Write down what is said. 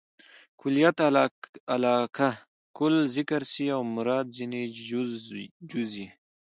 کلیت علاقه؛ کل ذکر سي او مراد ځني جز يي.